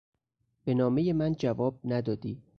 به نامهی من جواب ندادی.